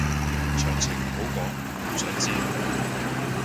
詳情唔好講，唔想知